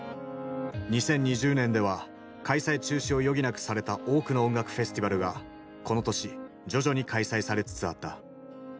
２０２０年では開催中止を余儀なくされた多くの音楽フェスティバルがこの年徐々に開催されつつあった。